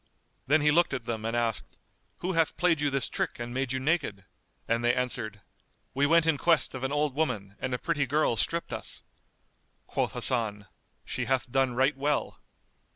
Then he looked at them and asked, "Who hath played you this trick and made you naked?"; and they answered, "We went in quest of an old woman, and a pretty girl stripped us." Quoth Hasan, "She hath done right well."